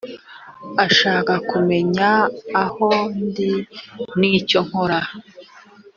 ashaka kumenya aho ndi n’ icyo nkora